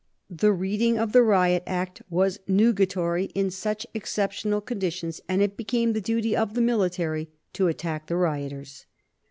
The reading of the Riot Act was nugatory in such exceptional conditions, and it became the duty of the military to attack the rioters.